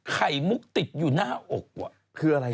ไข่มุกติดอยู่หน้าอกว่ะ